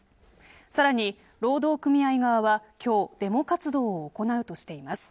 さらに、労働組合側は今日デモ活動を行うとしています。